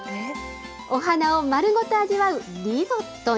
お花を丸ごと味わうリゾットに。